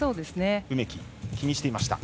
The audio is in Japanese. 梅木は気にしていました。